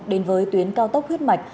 đến với tuyến cao tốc huyết mạch